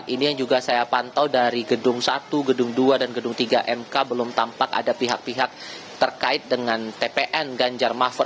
ini yang juga saya pantau dari gedung satu gedung dua dan gedung tiga mk belum tampak ada pihak pihak terkait dengan tpn ganjar mahfud